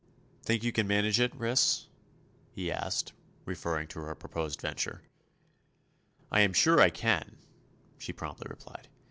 "Think you can manage it, Ris?" he asked, referring to her proposed venture. "I am sure I can," she promptly replied.